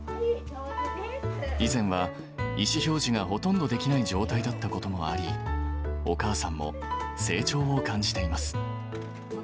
以前は意思表示がほとんどできない状態だったこともあり、お母さんも、成長を感じています。